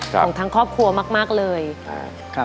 ของทั้งครอบครัวมากเลย